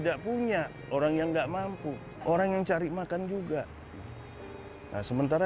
datang ke rumah